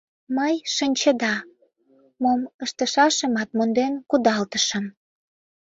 Мый, шинчеда, мом ыштышашымат монден кудалтышым.